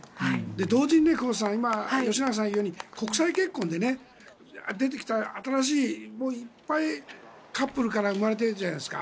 同時に今、吉永さんが言うように国際結婚で出てきた新しい、いっぱいカップルから生まれてるじゃないですか。